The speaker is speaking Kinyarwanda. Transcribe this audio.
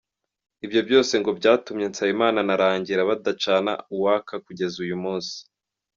Ibyo byose ngo byatumye Nsabimana na Rangira badacana uwaka kugeza uyu munsi